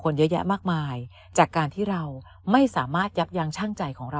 เยอะแยะมากมายจากการที่เราไม่สามารถยับยั้งช่างใจของเรา